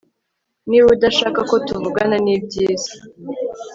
Niba udashaka ko tuvugana nibyiza